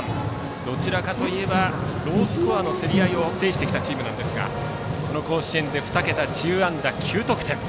どちらかといえばロースコアの競り合いを制してきたチームですがこの甲子園で２桁１０安打９得点。